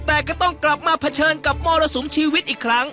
แต่ก็ต้องกลับมาเผชิญกับมรสุมชีวิตอีกครั้ง